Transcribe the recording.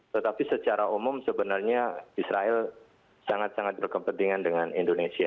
tetapi secara umum sebenarnya israel sangat sangat berkepentingan dengan indonesia